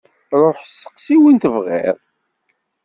Ruḥ steqsi win tebɣiḍ!